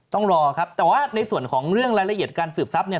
ต้องรอครับแต่ว่าในส่วนของเรื่องรายละเอียดการสืบทรัพเนี่ย